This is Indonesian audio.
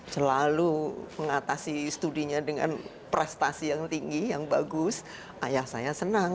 selalu mengatasi studinya dengan prestasi yang tinggi yang bagus ayah saya senang